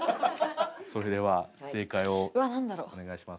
それでは正解をお願いします。